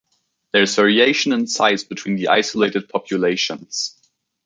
There is variation in size between the isolated populations.